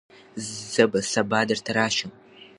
زه به سبا درته راشم.